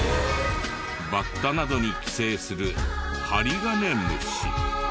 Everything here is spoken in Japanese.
バッタなどに寄生するハリガネムシ。